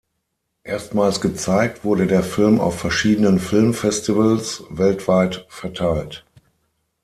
Erstmals gezeigt wurde der Film auf verschiedenen Filmfestivals, weltweit verteilt.